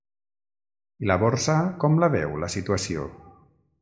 I la borsa, com la veu, la situació?